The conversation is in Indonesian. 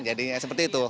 jadi seperti itu